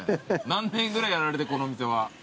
何年ぐらいやられてこのお店は。